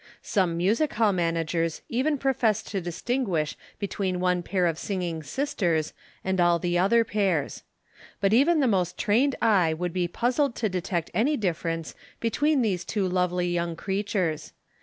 Some music hall managers even profess to distinguish between one pair of singing sisters and all the other pairs. But even the most trained eye would be puzzled to detect any difference between these two lovely young creatures.